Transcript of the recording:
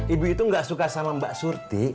ibu itu gak suka sama mbak surti